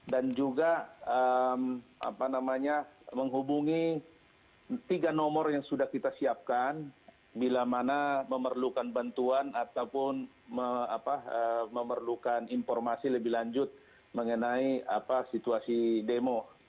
juga menghubungi tiga nomor yang sudah kita siapkan bila mana memerlukan bantuan ataupun memerlukan informasi lebih lanjut mengenai situasi demo